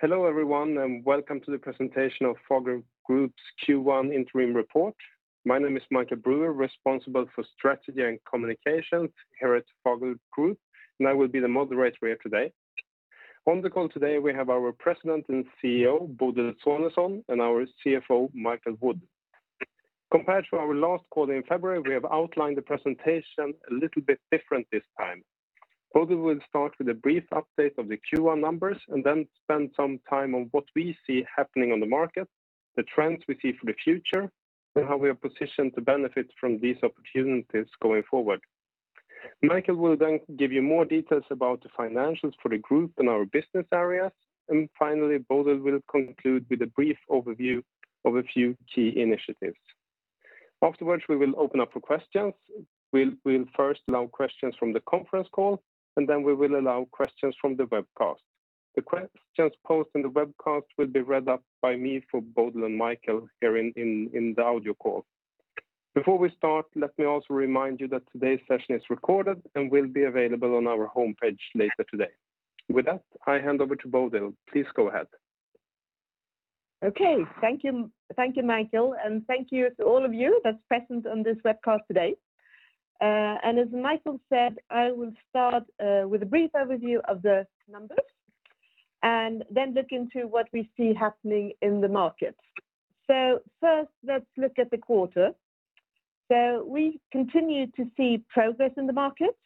Hello, everyone, Welcome to the Presentation of Fagerhult Group's Q1 Interim Report. My name is Michael Brüer, responsible for strategy and communications here at Fagerhult Group. I will be the moderator here today. On the call today, we have our President and CEO, Bodil Sonesson, our CFO, Michael Wood. Compared to our last call in February, we have outlined the presentation a little bit different this time. Bodil will start with a brief update of the Q1 numbers and then spend some time on what we see happening on the market, the trends we see for the future, and how we are positioned to benefit from these opportunities going forward. Michael will then give you more details about the financials for the group and our business areas. Finally, Bodil will conclude with a brief overview of a few key initiatives. Afterwards, we will open up for questions. We'll first allow questions from the conference call, and then we will allow questions from the webcast. The questions posted in the webcast will be read up by me for Bodil and Michael here in the audio call. Before we start, let me also remind you that today's session is recorded and will be available on our homepage later today. With that, I hand over to Bodil. Please go ahead. Okay. Thank you, Michael, and thank you to all of you that's present on this webcast today. As Michael said, I will start with a brief overview of the numbers and then look into what we see happening in the market. First, let's look at the quarter. We continue to see progress in the market,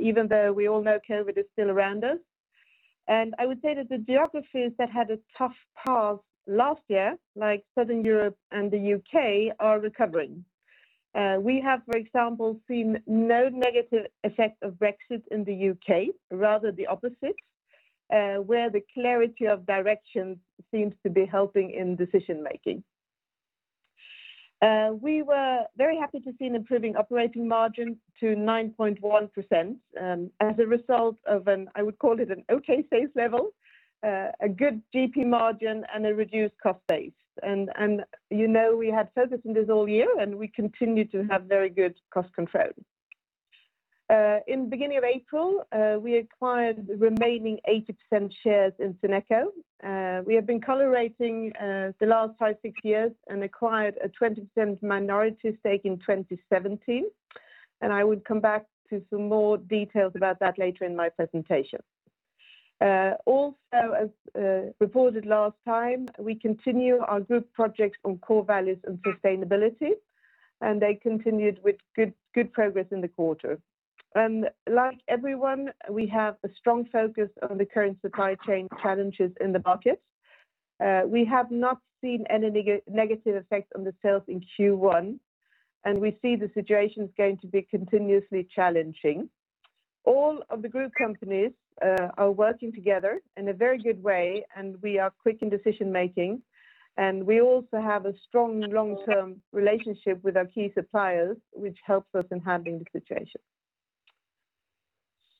even though we all know COVID is still around us. I would say that the geographies that had a tough path last year, like Southern Europe and the U.K., are recovering. We have, for example, seen no negative effect of Brexit in the U.K., rather the opposite, where the clarity of direction seems to be helping in decision making. We were very happy to see an improving operating margin to 9.1% as a result of an okay sales level, a good GP margin, and a reduced cost base. You know we had focus on this all year, and we continue to have very good cost control. In beginning of April, we acquired the remaining 80% shares in Seneco. We have been collaborating the last five, six years and acquired a 20% minority stake in 2017, and I will come back to some more details about that later in my presentation. Also, as reported last time, we continue our group projects on core values and sustainability, and they continued with good progress in the quarter. Like everyone, we have a strong focus on the current supply chain challenges in the market. We have not seen any negative effects on the sales in Q1. We see the situation is going to be continuously challenging. All of the group companies are working together in a very good way. We are quick in decision making. We also have a strong long-term relationship with our key suppliers, which helps us in handling the situation.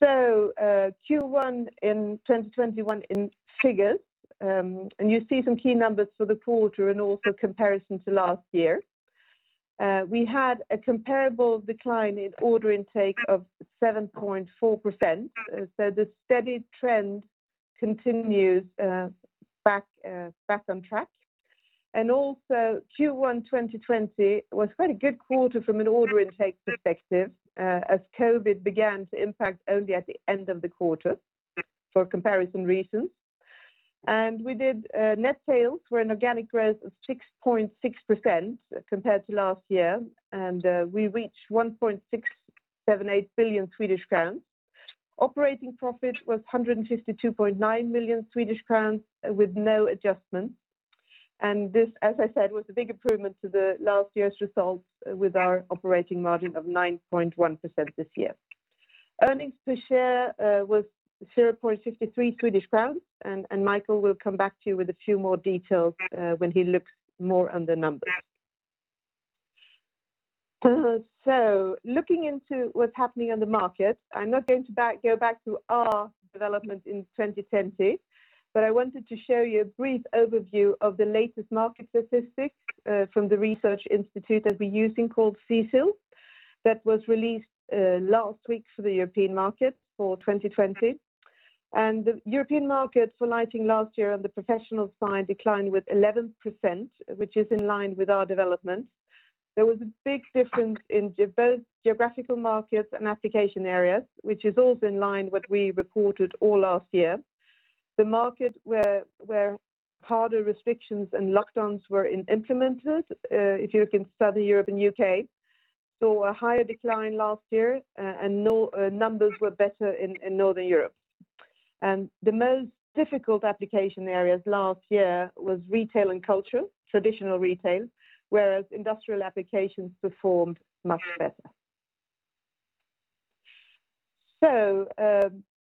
Q1 in 2021 in figures. You see some key numbers for the quarter and also comparison to last year. We had a comparable decline in order intake of 7.4%. The steady trend continues back on track. Also Q1 2020 was quite a good quarter from an order intake perspective, as COVID began to impact only at the end of the quarter for comparison reasons. We did net sales were an organic growth of 6.6% compared to last year, and we reached 1.678 billion Swedish crowns. Operating profit was 152.9 million Swedish crowns with no adjustments. This, as I said, was a big improvement to the last year's results with our operating margin of 9.1% this year. Earnings per share was 0.53 Swedish crowns, and Michael will come back to you with a few more details when he looks more on the numbers. Looking into what's happening on the market, I'm not going to go back to our development in 2020, but I wanted to show you a brief overview of the latest market statistics from the research institute that we're using called CSIL, that was released last week for the European market for 2020. The European market for lighting last year on the professional side declined with 11%, which is in line with our development. There was a big difference in both geographical markets and application areas, which is also in line what we reported all last year. The market where harder restrictions and lockdowns were implemented, if you look in Southern Europe and U.K., saw a higher decline last year, and numbers were better in Northern Europe. The most difficult application areas last year was retail and culture, traditional retail, whereas industrial applications performed much better.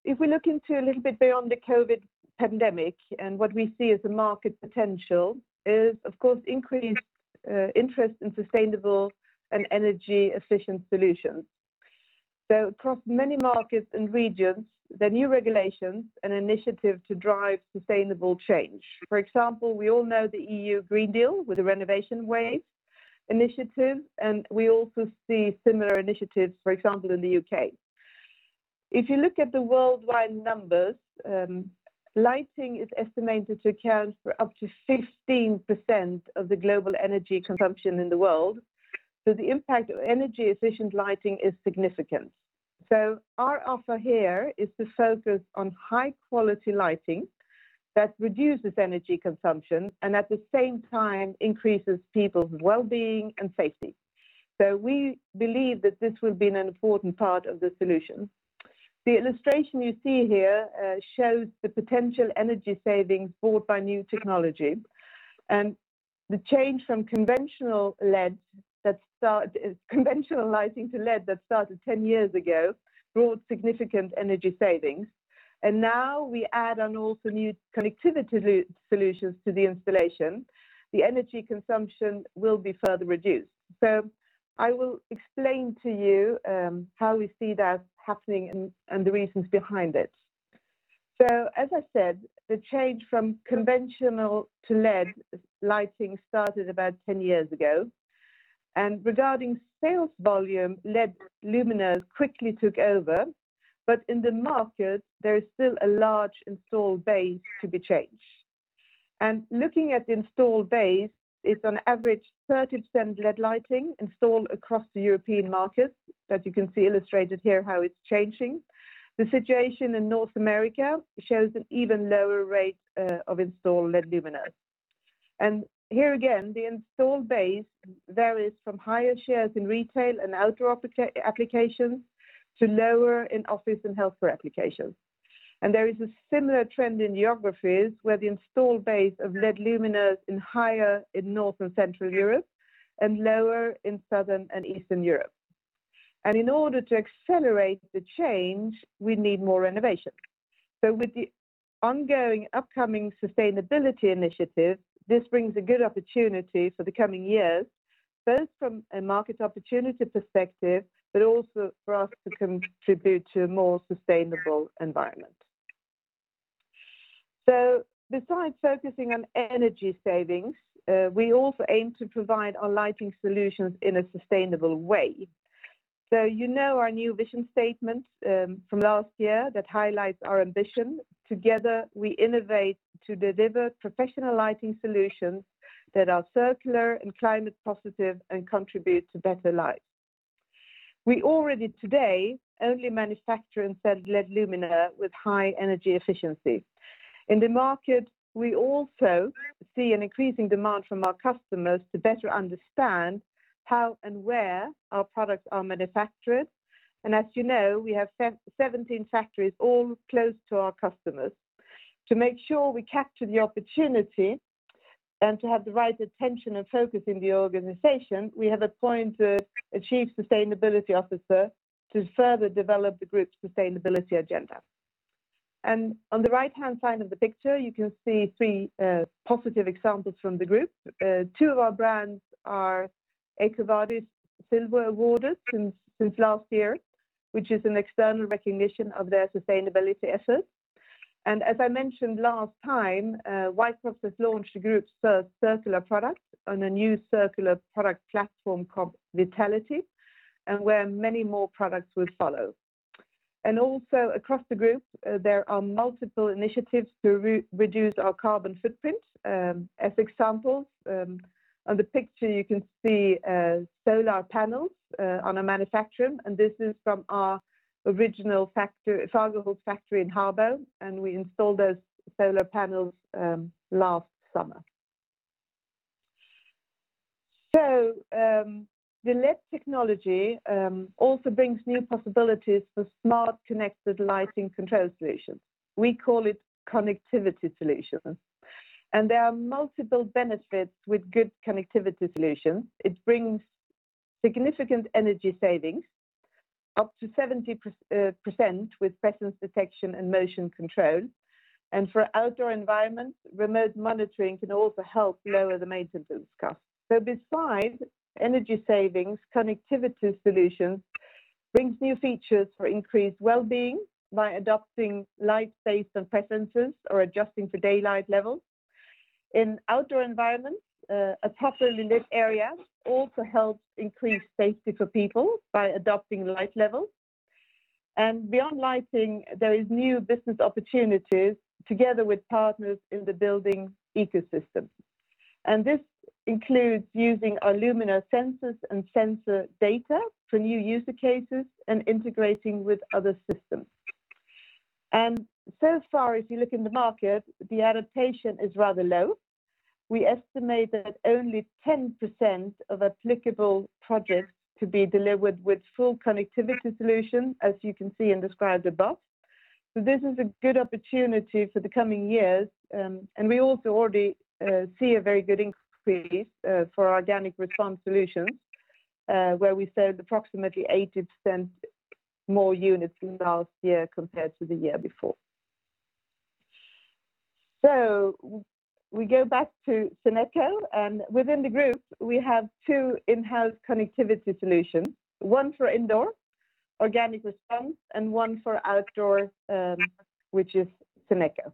If we look into a little bit beyond the COVID-19 pandemic, and what we see as a market potential is, of course, increased interest in sustainable and energy-efficient solutions. Across many markets and regions, the new regulations and initiative to drive sustainable change. For example, we all know the EU Green Deal with the Renovation Wave initiative, and we also see similar initiatives, for example, in the U.K. If you look at the worldwide numbers, lighting is estimated to account for up to 15% of the global energy consumption in the world. The impact of energy-efficient lighting is significant. Our offer here is to focus on high-quality lighting that reduces energy consumption and, at the same time, increases people's wellbeing and safety. We believe that this will be an important part of the solution. The illustration you see here shows the potential energy savings brought by new technology. The change from conventional lighting to LED that started 10 years ago brought significant energy savings. Now we add on also new connectivity solutions to the installation. The energy consumption will be further reduced. I will explain to you how we see that happening and the reasons behind it. As I said, the change from conventional to LED lighting started about 10 years ago, and regarding sales volume, LED luminaire quickly took over, but in the market there is still a large installed base to be changed. Looking at the installed base, it's on average 30% LED lighting installed across the European markets that you can see illustrated here how it's changing. The situation in North America shows an even lower rate of installed LED luminaire. Here again, the installed base varies from higher shares in retail and outdoor applications to lower in office and healthcare applications. There is a similar trend in geographies where the installed base of LED luminaire is higher in North and Central Europe and lower in Southern and Eastern Europe. In order to accelerate the change, we need more renovation. With the ongoing upcoming sustainability initiative, this brings a good opportunity for the coming years, both from a market opportunity perspective, but also for us to contribute to a more sustainable environment. Besides focusing on energy savings, we also aim to provide our lighting solutions in a sustainable way. You know our new vision statement from last year that highlights our ambition, "Together, we innovate to deliver professional lighting solutions that are circular and climate positive and contribute to better life." We already today only manufacture and sell LED luminaire with high energy efficiency. In the market, we also see an increasing demand from our customers to better understand how and where our products are manufactured. As you know, we have 17 factories all close to our customers. To make sure we capture the opportunity and to have the right attention and focus in the organization, we have appointed a chief sustainability officer to further develop the group's sustainability agenda. On the right-hand side of the picture, you can see three positive examples from the group. Two of our brands are EcoVadis Silver awarded since last year, which is an external recognition of their sustainability efforts. As I mentioned last time, Whitecroft Lighting has launched a group circular product on a new circular product platform called Vitality, and where many more products will follow. Also across the group, there are multiple initiatives to reduce our carbon footprint. As examples, on the picture you can see solar panels on a manufacturing, and this is from our original Fagerhult factory in Habo, and we installed those solar panels last summer. The LED technology also brings new possibilities for smart connected lighting control solutions. We call it connectivity solutions. There are multiple benefits with good connectivity solutions. It brings significant energy savings, up to 70% with presence detection and motion control. For outdoor environments, remote monitoring can also help lower the maintenance cost. Besides energy savings, connectivity solutions brings new features for increased wellbeing by adopting light, space, and preferences or adjusting for daylight levels. In outdoor environments, a properly lit area also helps increase safety for people by adopting light levels. Beyond lighting, there is new business opportunities together with partners in the building ecosystem. This includes using our luminaire sensors and sensor data for new user cases and integrating with other systems. So far, as you look in the market, the adaptation is rather low. We estimate that only 10% of applicable projects to be delivered with full connectivity solution, as you can see and described above. This is a good opportunity for the coming years, and we also already see a very good increase for our dynamic response solutions, where we sold approximately 80% more units last year compared to the year before. We go back to Seneco, and within the group, we have two in-house connectivity solutions, one for indoor, Organic Response, and one for outdoor, which is Seneco.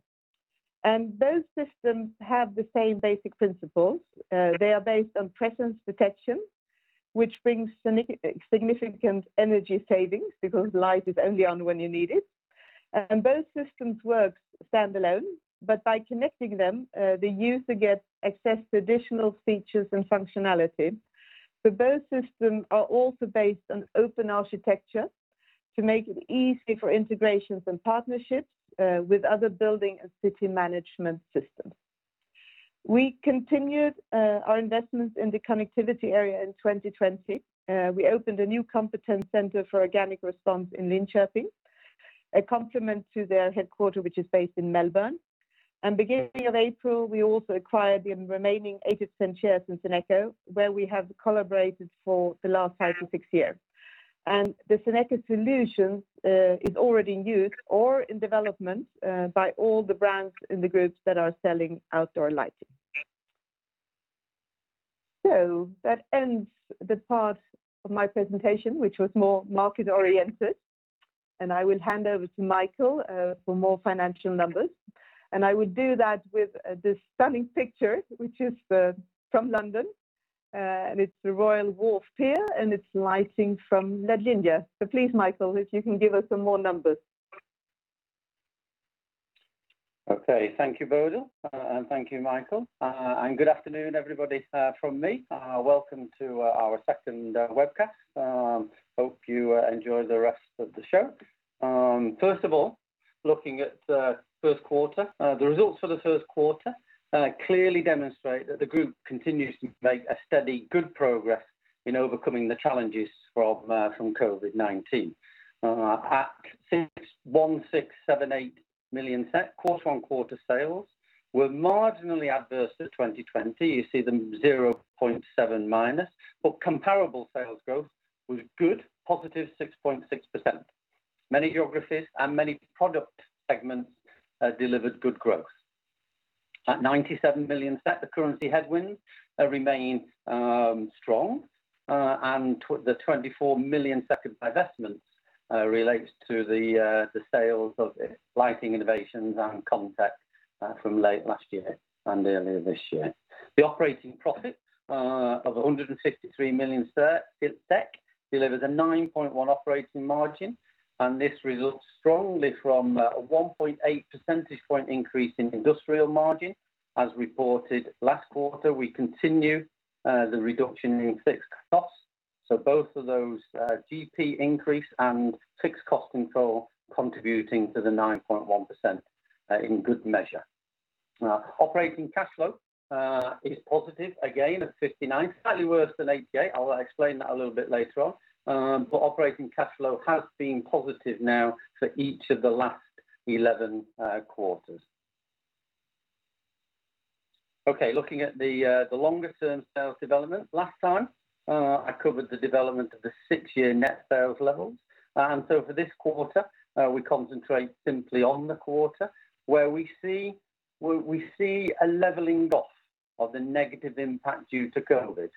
And those systems have the same basic principles. They are based on presence detection, which brings significant energy savings because the light is only on when you need it. Both systems work standalone, but by connecting them, the user gets access to additional features and functionality. Both systems are also based on open architecture to make it easy for integrations and partnerships with other building and city management systems. We continued our investments in the connectivity area in 2020. We opened a new competence center for Organic Response in Linköping, a complement to their headquarter, which is based in Melbourne. Beginning of April, we also acquired the remaining 80% shares in Seneco, where we have collaborated for the last five-six years. The Seneco solution is already in use or in development by all the brands in the groups that are selling outdoor lighting. That ends the part of my presentation, which was more market-oriented, and I will hand over to Michael for more financial numbers. I would do that with this stunning picture, which is from London, and it's the Royal Wharf Pier, and it's lighting from LED Linear. Please, Michael, if you can give us some more numbers. Okay. Thank you, Bodil, and thank you, Michael, and good afternoon, everybody, from me. Welcome to our second webcast. Hope you enjoy the rest of the show. First of all, looking at the first quarter, the results for the first quarter clearly demonstrate that the group continues to make a steady, good progress in overcoming the challenges from COVID-19. At 1,678 million, quarter-on-quarter sales were marginally adverse to 2020. You see them -0.7%, comparable sales growth was good, positive 6.6%. Many geographies and many product segments delivered good growth. At 97 million, the currency headwinds remain strong, and the 24 million divestments relates to the sales of Lighting Innovations and contracts from late last year and earlier this year. The operating profit of 153 million SEK delivers a 9.1% operating margin, and this results strongly from a 1.8 percentage point increase in industrial margin. As reported last quarter, we continue the reduction in fixed costs, so both of those GP increase and fixed cost control contributing to the 9.1% in good measure. Now, operating cash flow is positive again at 59, slightly worse than 88, I will explain that a little bit later on. Operating cash flow has been positive now for each of the last 11 quarters. Okay. Looking at the longer-term sales development. Last time, I covered the development of the six-year net sales levels. For this quarter, we concentrate simply on the quarter where we see a leveling off of the negative impact due to COVID.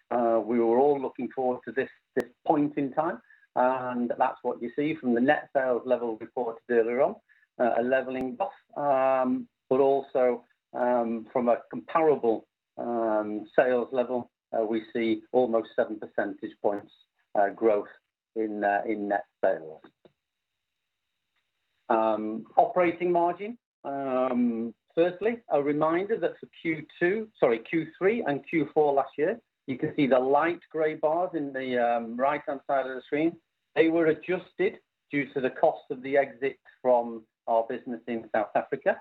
That's what you see from the net sales level reported earlier on, a leveling off, but also, from a comparable sales level, we see almost seven percentage points growth in net sales. Operating margin. Firstly, a reminder that for Q2, Q3 and Q4 last year, you can see the light gray bars in the right-hand side of the screen. They were adjusted due to the cost of the exit from our business in South Africa.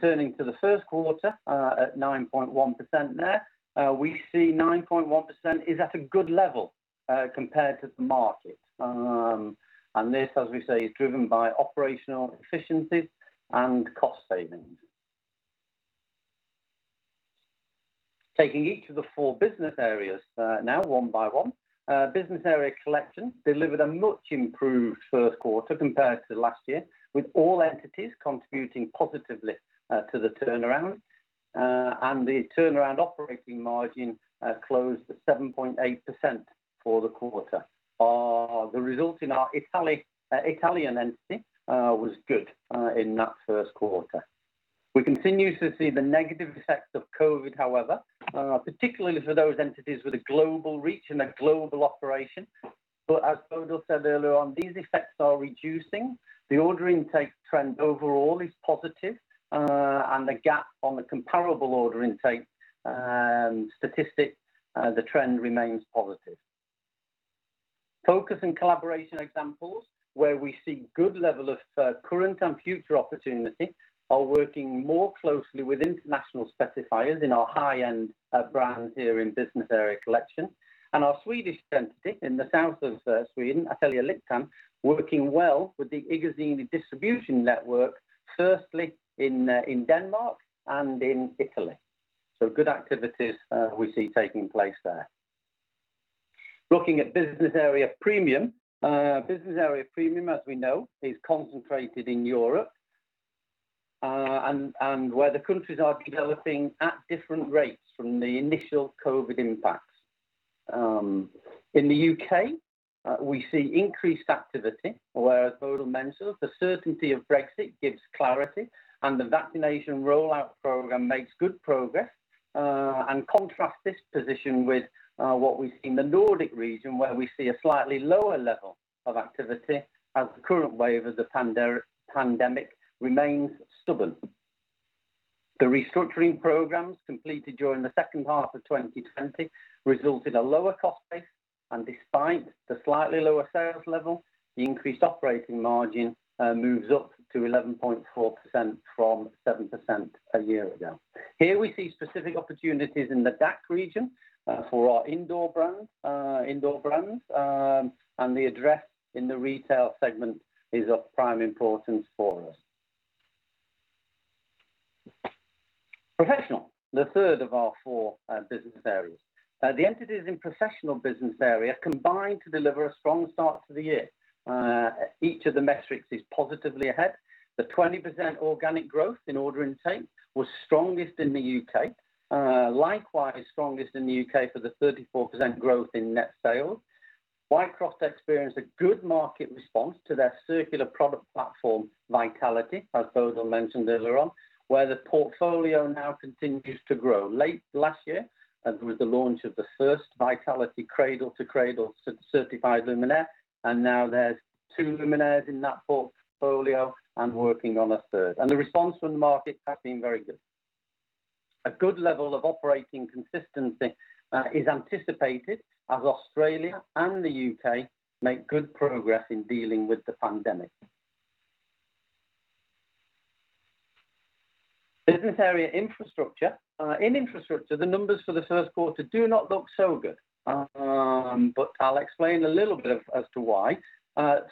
Turning to the first quarter, at 9.1% there, we see 9.1% is at a good level compared to the market. This, as we say, is driven by operational efficiencies and cost savings. Taking each of the four business areas now one by one. Business area collection delivered a much improved first quarter compared to last year, with all entities contributing positively to the turnaround, and the turnaround operating margin closed at 7.8% for the quarter. The result in our Italian entity was good in that first quarter. We continue to see the negative effects of COVID, however, particularly for those entities with a global reach and a global operation. As Bodil said earlier on, these effects are reducing. The order intake trend overall is positive, and the gap on the comparable order intake statistic, the trend remains positive. Focus and collaboration examples where we see good level of current and future opportunity are working more closely with international specifiers in our high-end brands here in Business Area Collection, and our Swedish entity in the south of Sweden, Ateljé Lyktan, working well with the iGuzzini distribution network, firstly in Denmark and in Italy. Good activities we see taking place there. Looking at Business Area Premium. Business Area Premium, as we know, is concentrated in Europe, and where the countries are developing at different rates from the initial COVID-19 impacts. In the U.K., we see increased activity, whereas Bodil mentioned the certainty of Brexit gives clarity and the vaccination rollout program makes good progress. Contrast this position with what we see in the Nordic region, where we see a slightly lower level of activity as the current wave of the pandemic remains stubborn. The restructuring programs completed during the second half of 2020 result in a lower cost base, and despite the slightly lower sales level, the increased operating margin moves up to 11.4% from 7% a year ago. Here we see specific opportunities in the DACH region for our indoor brands, and the address in the retail segment is of prime importance for us. Professional, the third of our four business areas. The entities in Professional business area combined to deliver a strong start to the year. Each of the metrics is positively ahead. The 20% organic growth in order intake was strongest in the U.K. Likewise, strongest in the U.K. for the 34% growth in net sales. Whitecroft Lighting experienced a good market response to their circular product platform, Vitality, as Bodil mentioned earlier on, where the portfolio now continues to grow. Late last year, there was the launch of the first Vitality Cradle to Cradle certified luminaire, and now there's two luminaires in that portfolio and working on a third. The response from the market has been very good. A good level of operating consistency is anticipated as Australia and the U.K. make good progress in dealing with the pandemic. Business area Infrastructure. In Infrastructure, the numbers for the first quarter do not look so good. I'll explain a little bit as to why.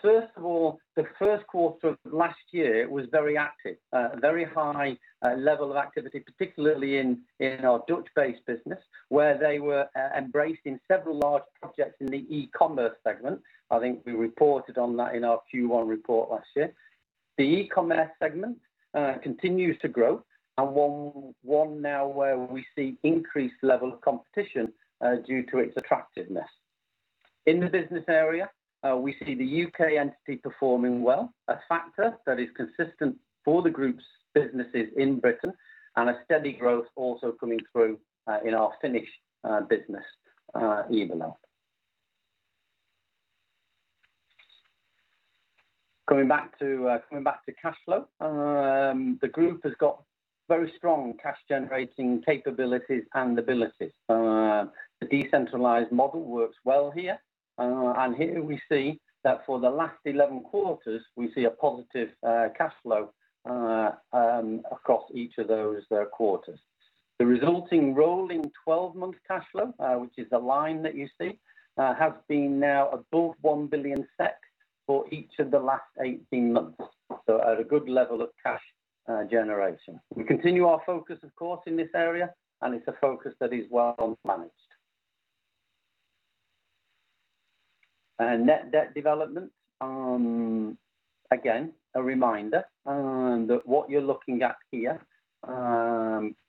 First of all, the first quarter of last year was very active. A very high level of activity, particularly in our Dutch-based business, where they were embraced in several large projects in the e-commerce segment. I think we reported on that in our Q1 report last year. The e-commerce segment continues to grow, one now where we see increased level of competition due to its attractiveness. In the business area, we see the U.K. entity performing well, a factor that is consistent for the group's businesses in Britain, and a steady growth also coming through in our Finnish business even now. Coming back to cash flow. The group has got very strong cash generating capabilities and abilities. The decentralized model works well here, and here we see that for the last 11 quarters, we see a positive cash flow across each of those quarters. The resulting rolling 12-month cash flow, which is the line that you see, has been now above 1 billion for each of the last 18 months, so at a good level of cash generation. We continue our focus, of course, in this area, and it's a focus that is well managed. Net debt development. Again, a reminder that what you're looking at here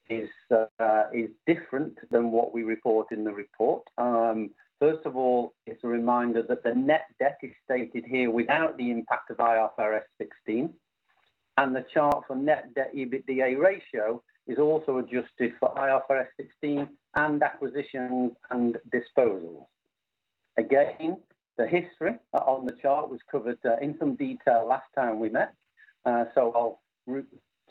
is different than what we report in the report. First of all, it's a reminder that the net debt is stated here without the impact of IFRS 16, and the chart for net debt EBITDA ratio is also adjusted for IFRS 16 and acquisitions and disposals. Again, the history on the chart was covered in some detail last time we met, so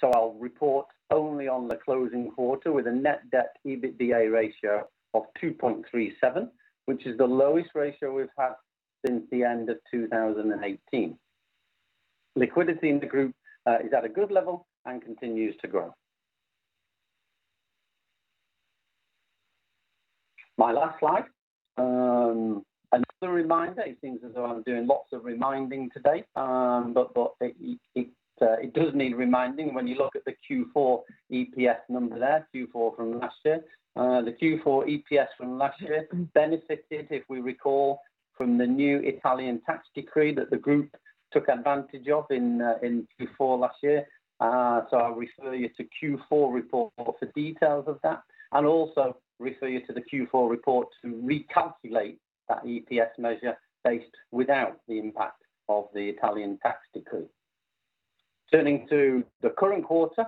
I'll report only on the closing quarter with a net debt EBITDA ratio of 2.37, which is the lowest ratio we've had since the end of 2018. Liquidity in the group is at a good level and continues to grow. My last slide. Another reminder, it seems as though I'm doing lots of reminding today, but it does need reminding when you look at the Q4 EPS number there, Q4 from last year. The Q4 EPS from last year benefited, if we recall, from the new Italian tax decree that the group took advantage of in Q4 last year. I'll refer you to Q4 report for details of that, and also refer you to the Q4 report to recalculate that EPS measure based without the impact of the Italian tax decree. Turning to the current quarter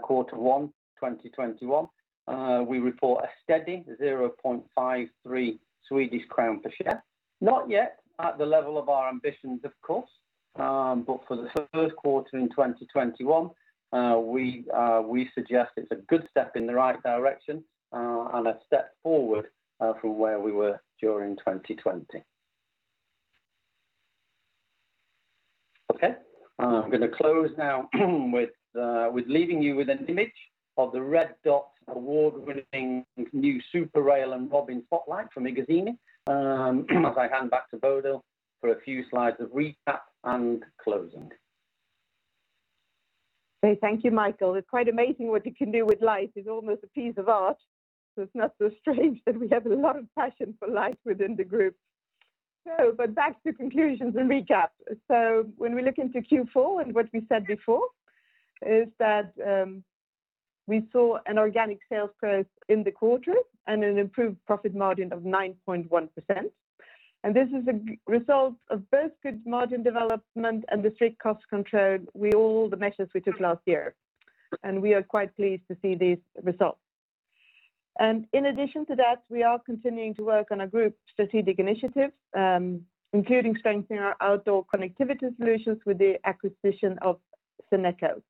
one 2021, we report a steady 0.53 Swedish crown per share. Not yet at the level of our ambitions, of course, but for the first quarter in 2021, we suggest it's a good step in the right direction and a step forward from where we were during 2020. I'm going to close now with leaving you with an image of the Red Dot Design Award-winning new Superrail and Robin spotlight from iGuzzini, as I hand back to Bodil on for a few slides of recap and closing. Great. Thank you, Michael. It's quite amazing what you can do with light. It's almost a piece of art. It's not so strange that we have a lot of passion for light within the group. Back to conclusions and recap. When we look into Q4 and what we said before is that we saw an organic sales growth in the quarter and an improved profit margin of 9.1%. This is a result of both good margin development and the strict cost control with all the measures we took last year. We are quite pleased to see these results. In addition to that, we are continuing to work on a group strategic initiative, including strengthening our outdoor connectivity solutions with the acquisition of Seneco.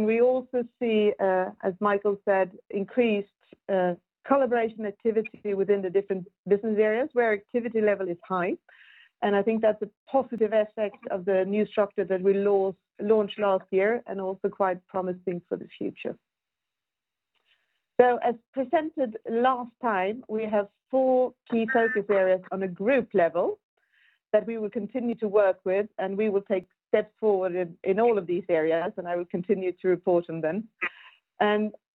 We also see, as Michael said, increased collaboration activity within the different business areas where activity level is high. I think that's a positive effect of the new structure that we launched last year, and also quite promising for the future. As presented last time, we have four key focus areas on a group level that we will continue to work with, and we will take steps forward in all of these areas, and I will continue to report on them.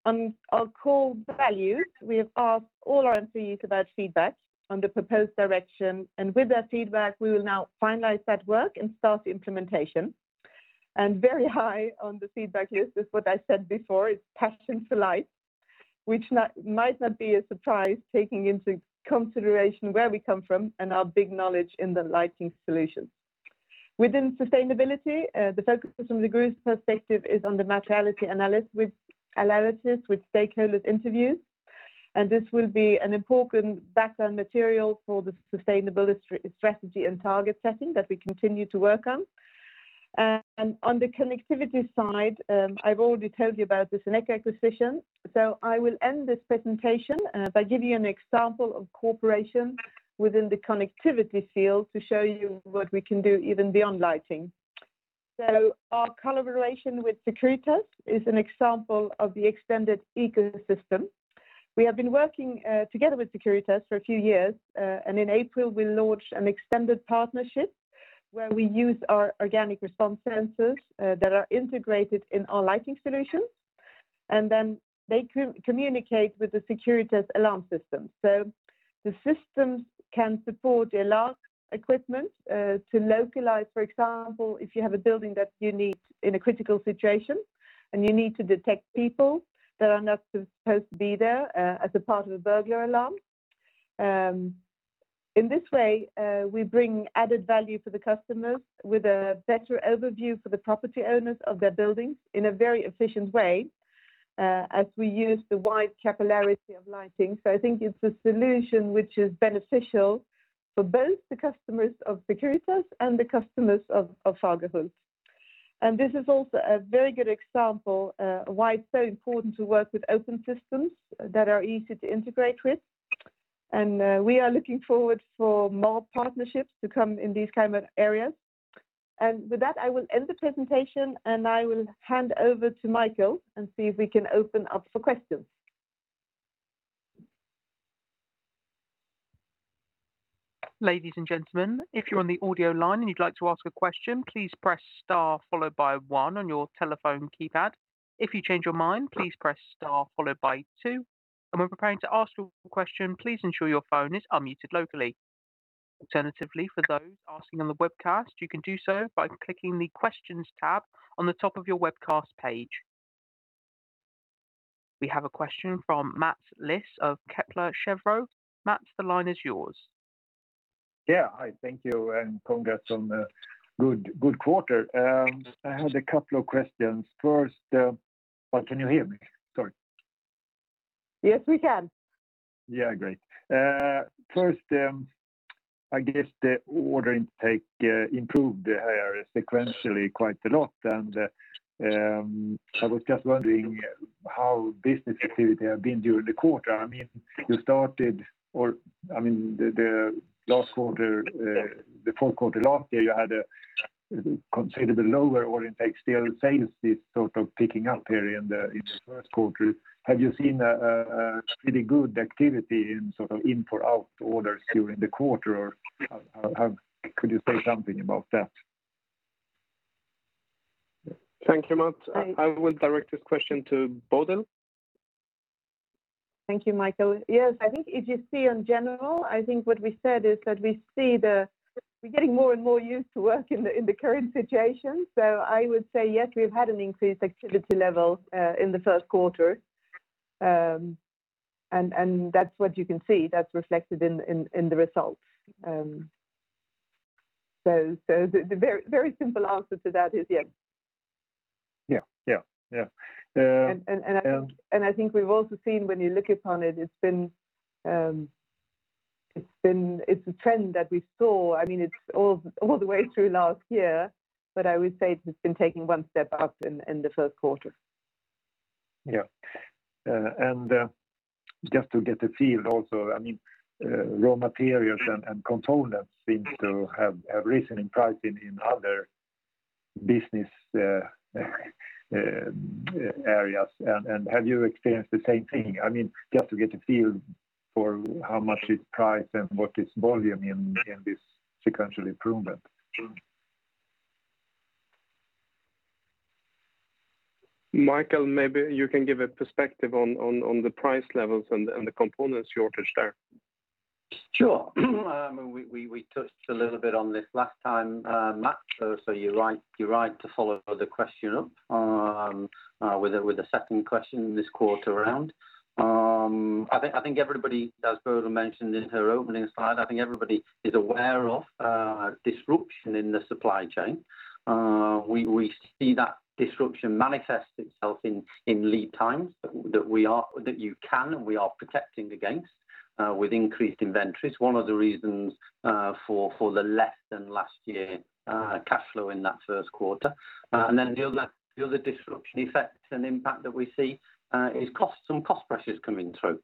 On our core values, we have asked all our employees about feedback on the proposed direction, and with their feedback, we will now finalize that work and start the implementation. Very high on the feedback list is what I said before, is passion for light, which might not be a surprise, taking into consideration where we come from and our big knowledge in the lighting solutions. Within sustainability, the focus from the group's perspective is on the materiality analysis with stakeholder interviews, and this will be an important background material for the sustainability strategy and target setting that we continue to work on. On the connectivity side, I've already told you about the Seneco acquisition. I will end this presentation by giving you an example of cooperation within the connectivity field to show you what we can do even beyond lighting. Our collaboration with Securitas is an example of the extended ecosystem. We have been working together with Securitas for a few years, and in April we launched an extended partnership where we use our Organic Response sensors that are integrated in our lighting solutions, and then they communicate with the Securitas alarm system. The systems can support the alarm equipment to localize, for example, if you have a building that you need in a critical situation and you need to detect people that are not supposed to be there, as a part of a burglar alarm. In this way, we bring added value for the customers with a better overview for the property owners of their buildings in a very efficient way, as we use the wide capillarity of lighting. I think it's a solution which is beneficial for both the customers of Securitas and the customers of Fagerhult. This is also a very good example why it's so important to work with open systems that are easy to integrate with. We are looking forward for more partnerships to come in these kind of areas. With that, I will end the presentation and I will hand over to Michael and see if we can open up for questions. Ladies and gentlemen, if you're on the audio line and you'd like to ask a question, please press star followed by one on your telephone keypad. If you change your mind, please press star followed by two. And when preparing to ask your question, please ensure your phone is unmuted locally. Alternatively, for those asking on the webcast, you can do so by clicking the questions tab on the top of your webcast page. We have a question from Mats Liss of Kepler Cheuvreux. Mats, the line is yours. Yeah. Hi, thank you, and congrats on a good quarter. I had a couple of questions. First. Can you hear me? Sorry. Yes, we can. Yeah, great. First, I guess the order intake improved here sequentially quite a lot, and I was just wondering how business activity have been during the quarter? The fourth quarter last year, you had a considerably lower order intake. Still, sales is sort of picking up here in the first quarter. Have you seen a pretty good activity in sort of in-for-out orders during the quarter, or could you say something about that? Thank you, Mats. I will direct this question to Bodil. Thank you, Michael. Yes, I think if you see in general, I think what we said is that we're getting more and more used to work in the current situation. I would say yes, we've had an increased activity level in the first quarter. That's what you can see, that's reflected in the results. The very simple answer to that is yes. Yeah. I think we've also seen when you look upon it's a trend that we saw all the way through last year, but I would say it has been taking one step up in the first quarter. Yeah. Just to get a feel also, raw materials and components seem to have risen in price in other business areas. Have you experienced the same thing? Just to get a feel for how much is price and what is volume in this sequential improvement. Michael, maybe you can give a perspective on the price levels and the components shortage there. Sure. We touched a little bit on this last time, Mats, so you're right to follow the question up with a second question this quarter around. As Bodil mentioned in her opening slide, I think everybody is aware of disruption in the supply chain. We see that disruption manifest itself in lead times that you can, and we are protecting against, with increased inventories. One of the reasons for the less than last year cashflow in that first quarter. The other disruption effects and impact that we see is costs and cost pressures coming through.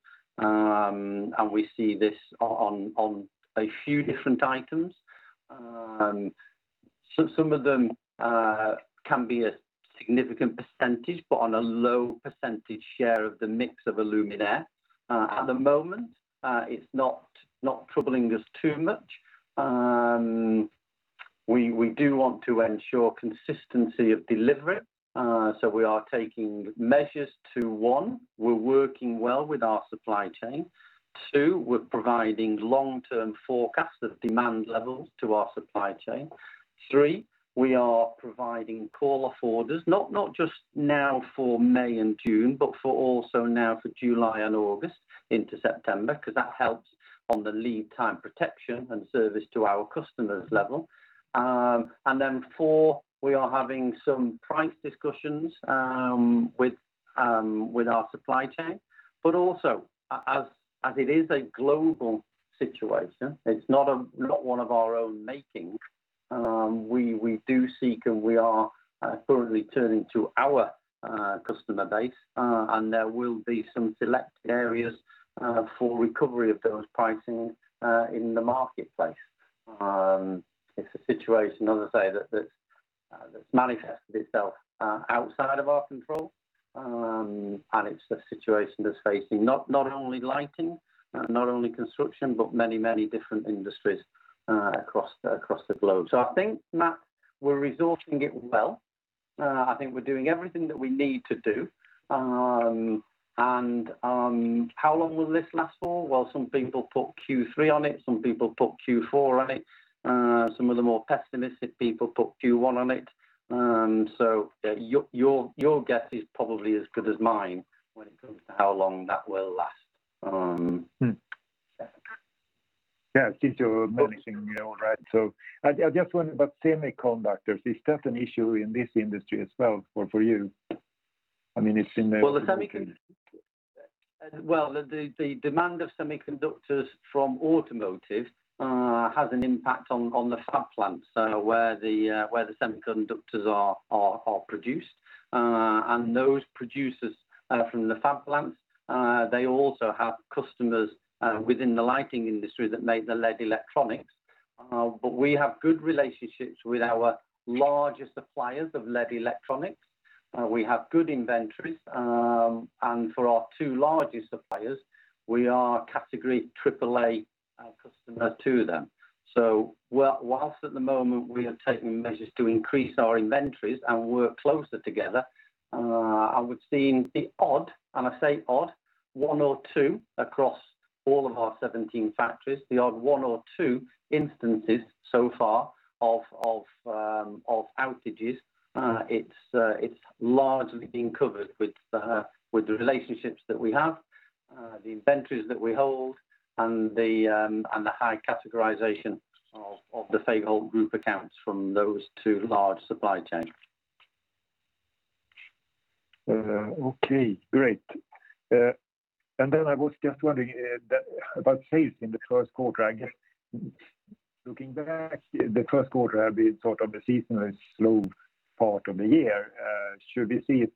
We see this on a few different items. Some of them can be a significant percentage, but on a low percentage share of the mix of luminaires. At the moment, it's not troubling us too much. We do want to ensure consistency of delivery, so we are taking measures to, one, we're working well with our supply chain. Two, we're providing long-term forecasts of demand levels to our supply chain. Three, we are providing call off orders, not just now for May and June, but for also now for July and August into September, because that helps on the lead time protection and service to our customers level. Four, we are having some price discussions with our supply chain, but also as it is a global situation, it's not one of our own making, we do seek and we are currently turning to our customer base, and there will be some selected areas for recovery of those pricing in the marketplace. It's a situation, as I say, that's manifested itself outside of our control, and it's a situation that's facing not only lighting, not only construction, but many different industries across the globe. I think, Mats, we're resorting it well. I think we're doing everything that we need to do. How long will this last for? Well, some people put Q3 on it, some people put Q4 on it. Some of the more pessimistic people put Q1 on it. Your guess is probably as good as mine when it comes to how long that will last. Yeah. It seems you're managing your own right. I just wonder about semiconductors. Is that an issue in this industry as well for you? The demand of semiconductors from automotive has an impact on the fab plants, so where the semiconductors are produced. Those producers from the fab plants, they also have customers within the lighting industry that make the LED electronics. We have good relationships with our larger suppliers of LED electronics. We have good inventories. For our two largest suppliers, we are category AAA customer to them. Whilst at the moment we are taking measures to increase our inventories and work closer together, I would say in the odd, one or two across all of our 17 factories, the odd one or two instances so far of outages, it's largely been covered with the relationships that we have, the inventories that we hold and the high categorization of the Fagerhult Group accounts from those two large supply chains. Okay, great. I was just wondering about sales in the first quarter. I guess looking back, the first quarter had been sort of the seasonally slow part of the year. Should we see it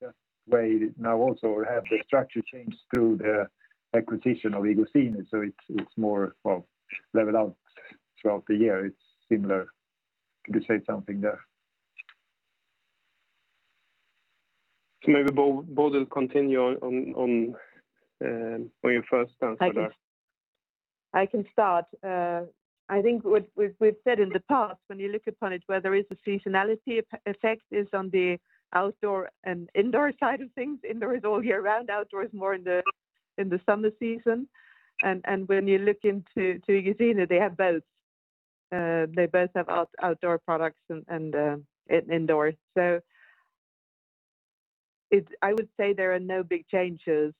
that way now also, or have the structure changed through the acquisition of iGuzzini so it is more of leveled out throughout the year? It is similar. Could you say something there? Maybe Bodil continue on your first answer there. I can start. I think what we've said in the past, when you look upon it, where there is a seasonality effect is on the outdoor and indoor side of things. Indoor is all year round, outdoor is more in the summer season. When you look into iGuzzini, they have both. They both have outdoor products and indoor. I would say there are no big changes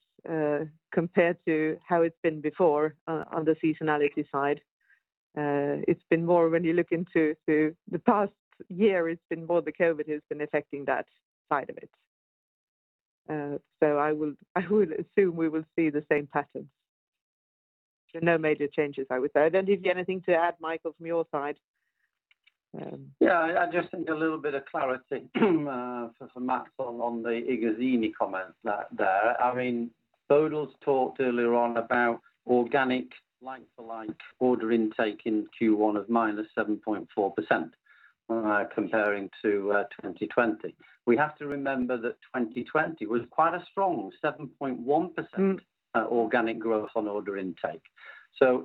compared to how it's been before on the seasonality side. It's been more when you look into the past year, it's been more the COVID-19 that has been affecting that side of it. I will assume we will see the same patterns. No major changes, I would say. I don't know if you've anything to add, Michael, from your side? I just think a little bit of clarity for Mats on the iGuzzini comment there. Bodil's talked earlier on about organic like for like order intake in Q1 of -7.4% comparing to 2020. We have to remember that 2020 was quite a strong 7.1% organic growth on order intake.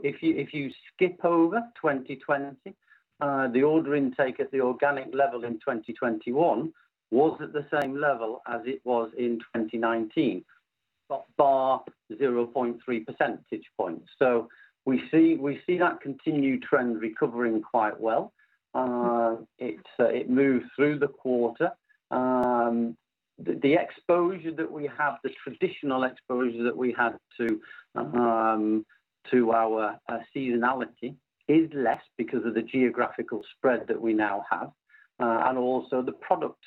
If you skip over 2020, the order intake at the organic level in 2021 was at the same level as it was in 2019, bar 0.3 percentage points. We see that continued trend recovering quite well. It moved through the quarter. The exposure that we have, the traditional exposure that we had to our seasonality is less because of the geographical spread that we now have, and also the product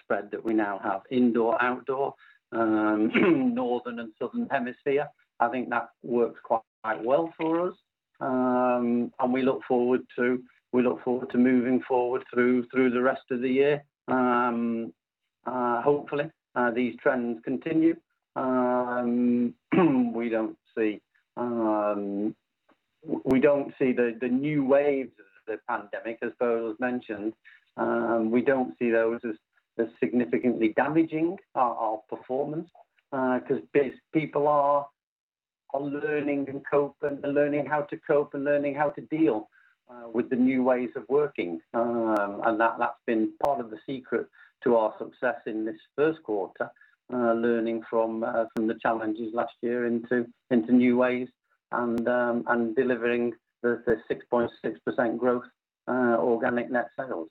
spread that we now have: indoor, outdoor, northern and southern hemisphere. I think that works quite well for us, and we look forward to moving forward through the rest of the year. Hopefully these trends continue. We don't see the new waves of the pandemic, as Bodil was mentioned, we don't see those as significantly damaging our performance, because people are learning how to cope and learning how to deal with the new ways of working. That's been part of the secret to our success in this first quarter, learning from the challenges last year into new ways and delivering the 6.6% growth organic net sales.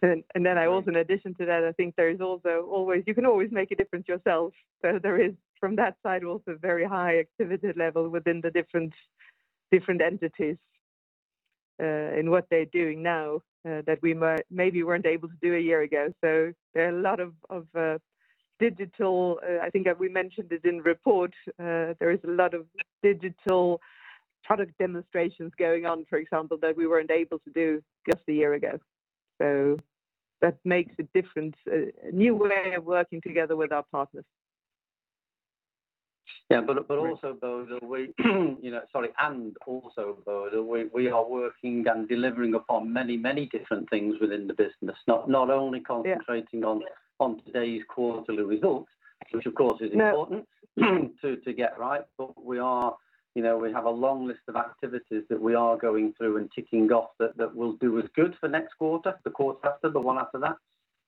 Then also in addition to that, I think you can always make a difference yourself. There is, from that side also, very high activity level within the different entities in what they're doing now, that we maybe weren't able to do a year ago. There are a lot of digital I think we mentioned it in report, there is a lot of digital product demonstrations going on, for example, that we weren't able to do just a year ago. That makes a difference, a new way of working together with our partners. Yeah. Also, Bodil, we are working and delivering upon many different things within the business. Yeah ....on today's quarterly results, which of course is important. No To get right. We have a long list of activities that we are going through and ticking off that will do us good for next quarter, the quarter after, the one after that,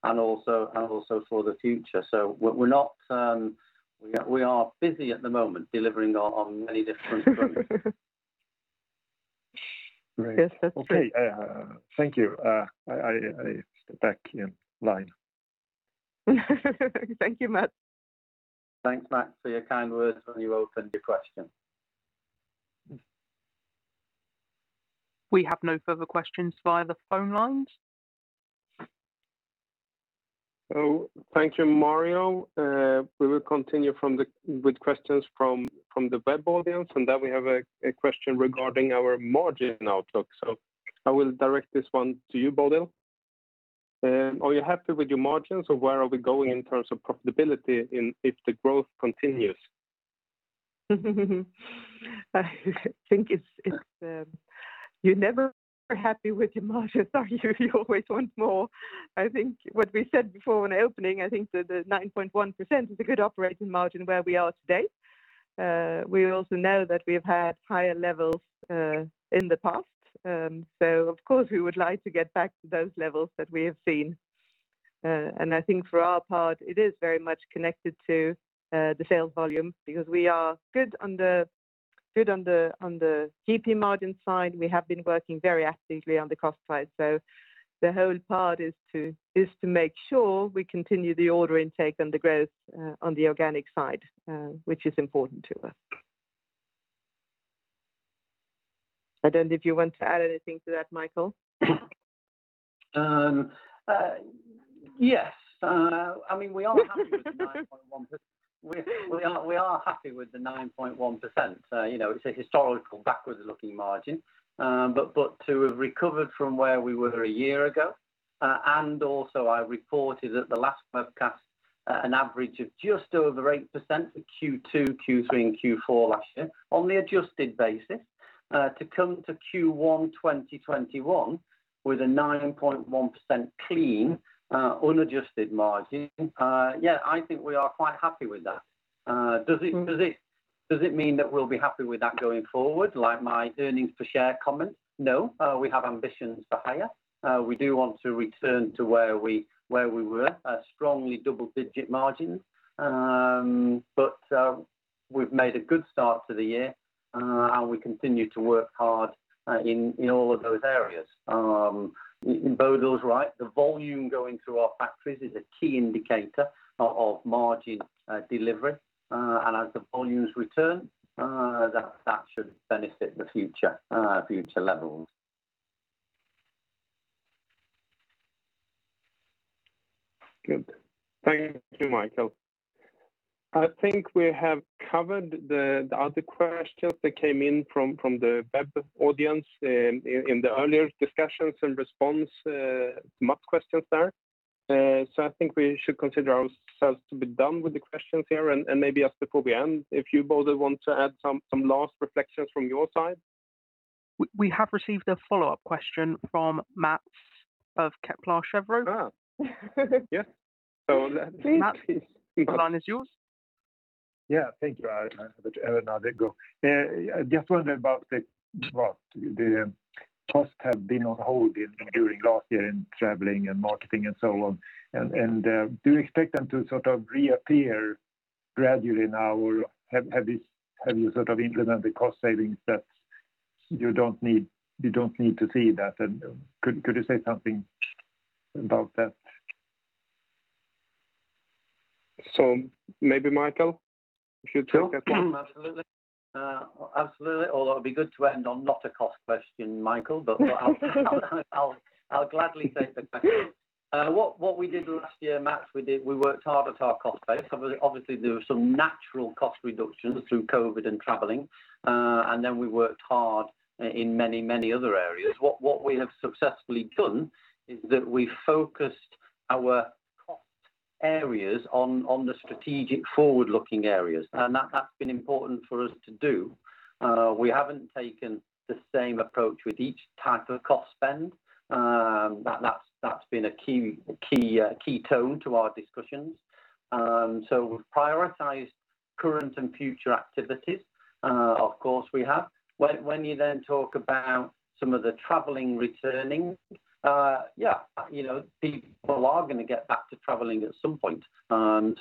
and also for the future. We are busy at the moment delivering on many different fronts. Great. Yes, that's true. Okay. Thank you. I step back in line. Thank you, Mats. Thanks, Mats, for your kind words when you opened your question. We have no further questions via the phone lines. Thank you, Mario. We will continue with questions from the web audience, we have a question regarding our margin outlook. I will direct this one to you, Bodil. Are you happy with your margins, or where are we going in terms of profitability if the growth continues? I think you're never happy with your margins, are you? You always want more. I think what we said before when opening, I think that the 9.1% is a good operating margin where we are today. We also know that we have had higher levels in the past. Of course we would like to get back to those levels that we have seen. I think for our part, it is very much connected to the sales volume because we are good on the GP margin side. We have been working very actively on the cost side. The whole part is to make sure we continue the order intake and the growth on the organic side, which is important to us. I don't know if you want to add anything to that, Michael? Yes. We are happy with the 9.1%. It's a historical backwards-looking margin. To have recovered from where we were a year ago, and also I reported at the last webcast an average of just over 8% for Q2, Q3, and Q4 last year on the adjusted basis, to come to Q1 2021 with a 9.1% clean unadjusted margin. Yeah, I think we are quite happy with that. Does it mean that we'll be happy with that going forward, like my earnings per share comment? No. We have ambitions for higher. We do want to return to where we were, a strongly double-digit margin. We've made a good start to the year, and we continue to work hard in all of those areas. Bodil's right, the volume going through our factories is a key indicator of margin delivery. As the volumes return, that should benefit the future levels. Good. Thank you, Michael. I think we have covered the other questions that came in from the web audience in the earlier discussions and response to Mats' questions there. I think we should consider ourselves to be done with the questions here, and maybe just before we end, if you, Bodil, want to add some last reflections from your side? We have received a follow-up question from Mats of Kepler Cheuvreux. Yeah. Please Mats, the line is yours. Thank you, Mario. I will now let go. I just wonder about the cost have been on hold during last year in traveling and marketing and so on. Do you expect them to reappear gradually now, or have you implemented cost savings that you don't need to see that? Could you say something about that? Maybe Michael, if you take that one? Sure. Absolutely. It'd be good to end on not a cost question, Michael, but I'll gladly take the question. What we did last year, Mats, we worked hard at our cost base. Obviously, there were some natural cost reductions through COVID and traveling, and then we worked hard in many other areas. What we have successfully done is that we focused our cost areas on the strategic forward-looking areas, and that's been important for us to do. We haven't taken the same approach with each type of cost spend. That's been a key tone to our discussions. We've prioritized current and future activities, of course we have. When you then talk about some of the traveling returning, yeah, people are going to get back to traveling at some point. Some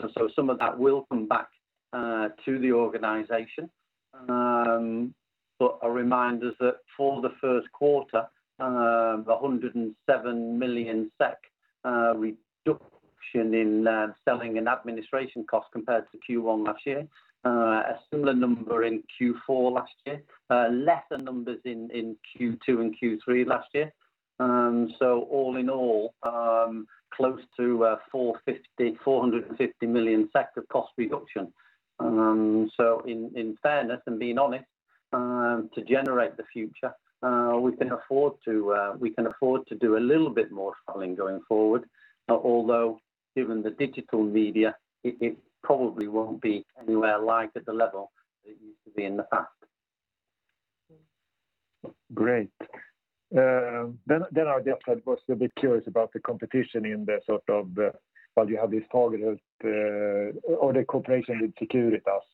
of that will come back to the organization. A reminder that for the first quarter, 107 million SEK reduction in selling and administration costs compared to Q1 last year. A similar number in Q4 last year. Lesser numbers in Q2 and Q3 last year. All in all, close to 450 million of cost reduction. In fairness and being honest, to generate the future, we can afford to do a little bit more traveling going forward. Although given the digital media, it probably won't be anywhere like at the level that it used to be in the past. Great. I just was a bit curious about the competition in the sort of, while you have this targeted or the cooperation with Securitas.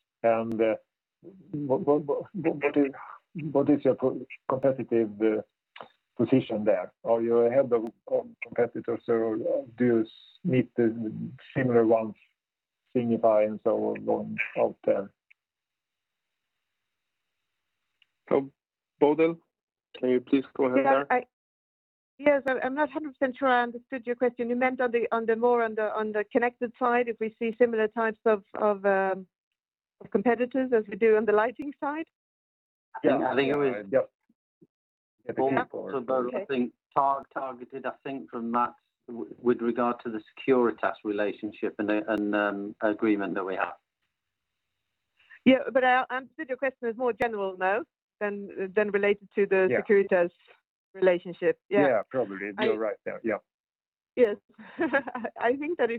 What is your competitive position there? Are you ahead of competitors or do you meet the similar ones, Signify and so on out there? Bodil, can you please go ahead there? Yes, I'm not 100% sure I understood your question. You meant more on the connected side, if we see similar types of competitors as we do on the lighting side? Yeah, I think it was- Yep. More targeted, I think from Mats, with regard to the Securitas relationship and agreement that we have. Yeah, I answered your question as more general, though, than related to the Securitas relationship. Yeah. Yeah, probably. You're right there. Yeah. I think that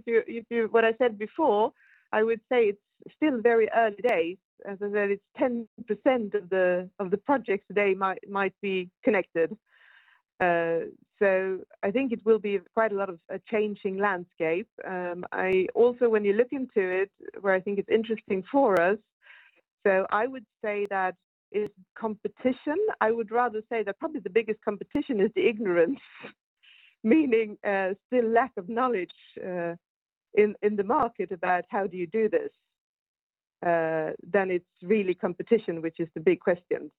what I said before, I would say it's still very early days. As I said, it's 10% of the projects today might be connected. I think it will be quite a lot of a changing landscape. When you look into it, where I think it's interesting for us, I would say that it's competition, I would rather say that probably the biggest competition is the ignorance. Meaning, still lack of knowledge in the market about how do you do this, than it's really competition, which is the big question.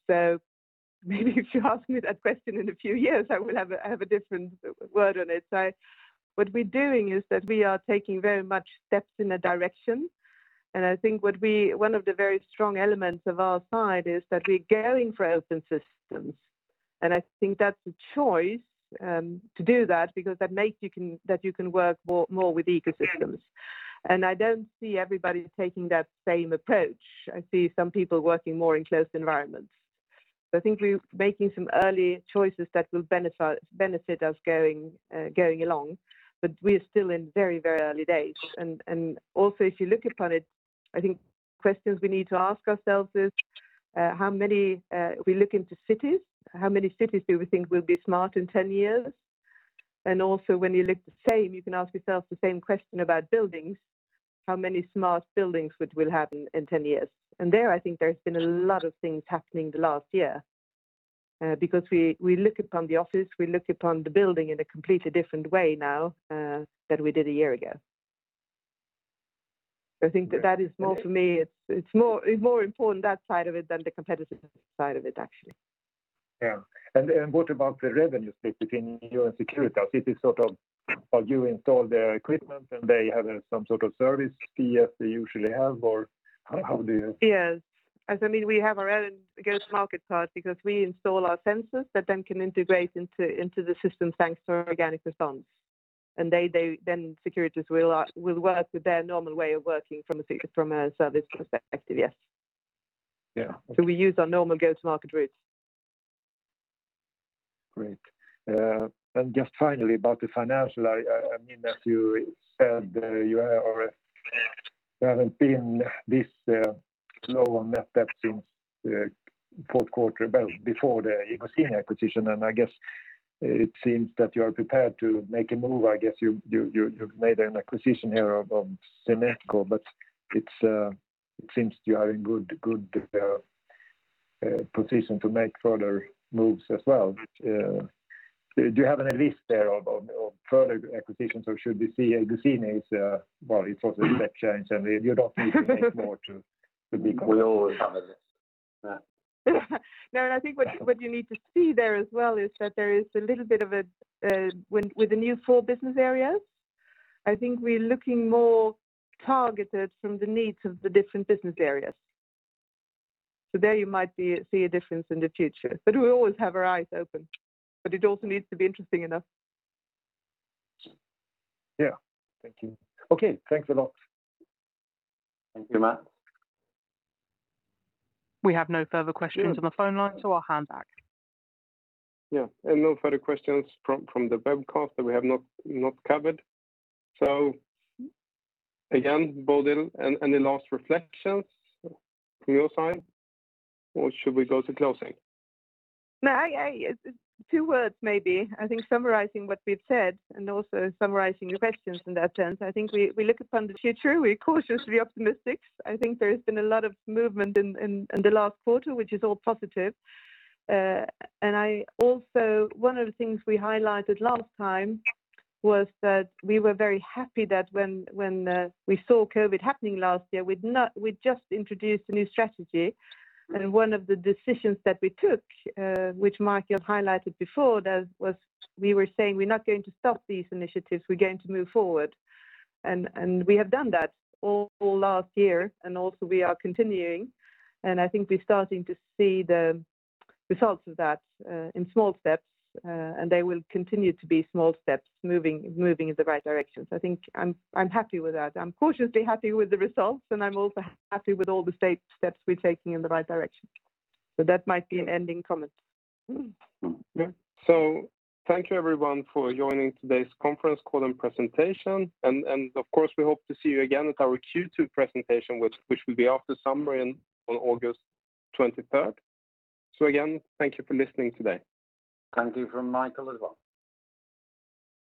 Maybe if you ask me that question in a few years, I will have a different word on it. What we're doing is that we are taking very much steps in a direction, and I think one of the very strong elements of our side is that we're going for open systems. I think that's a choice to do that, because that makes it that you can work more with ecosystems. I don't see everybody taking that same approach. I see some people working more in closed environments. I think we're making some early choices that will benefit us going along, but we are still in very early days. Also, if you look upon it, I think questions we need to ask ourselves is, we look into cities, how many cities do we think will be smart in 10 years? Also when you look the same, you can ask yourself the same question about buildings. How many smart buildings we'll have in 10 years? There, I think there's been a lot of things happening the last year, because we look upon the office, we look upon the building in a completely different way now than we did a year ago. I think that is more to me, it's more important that side of it than the competitive side of it, actually. Yeah. What about the revenue split between you and Securitas? It is sort of, while you install their equipment and they have some sort of service fee as they usually have, or how do you? Yes. As I mean, we have our own go-to-market part because we install our sensors that then can integrate into the system thanks to our Organic Response. Then Securitas will work with their normal way of working from a service perspective, yes. Yeah, okay. We use our normal go-to-market routes. Great. Just finally about the financial, I mean, as you said, you haven't been this low on net debt since the fourth quarter, but before the iGuzzini acquisition. I guess it seems that you are prepared to make a move. I guess you've made an acquisition here of Seneco, but it seems you are in good position to make further moves as well. Do you have any list there of further acquisitions, or should we see iGuzzini as, well, it was a step change and you don't need to make more. We always have a list. I think what you need to see there as well is that there is a little bit of With the new four business areas, I think we're looking more targeted from the needs of the different business areas. There you might see a difference in the future. We always have our eyes open, but it also needs to be interesting enough. Yeah. Thank you. Okay, thanks a lot. Thank you, Mats. We have no further questions on the phone lines, so I'll hand back. Yeah, no further questions from the webcast that we have not covered. Again, Bodil, any last reflections from your side, or should we go to closing? No, two words maybe. I think summarizing what we've said and also summarizing your questions in that sense, I think we look upon the future, we're cautiously optimistic. I think there's been a lot of movement in the last quarter, which is all positive. One of the things we highlighted last time was that we were very happy that when we saw COVID-19 happening last year, we'd just introduced a new strategy. One of the decisions that we took, which Michael highlighted before, we were saying we're not going to stop these initiatives, we're going to move forward. We have done that all last year, and also we are continuing, and I think we're starting to see the results of that in small steps, and they will continue to be small steps moving in the right direction. I think I'm happy with that. I'm cautiously happy with the results, and I'm also happy with all the steps we're taking in the right direction. That might be an ending comment. Yeah. Thank you everyone for joining today's conference call and presentation. Of course, we hope to see you again at our Q2 presentation, which will be after summer on August 23rd. Again, thank you for listening today. Thank you from Michael as well.